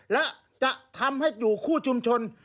และจะทำให้อยู่คู่ชุมชน